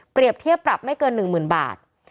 เปรียบเทียบปรับไม่เกิน๑หมื่นบาท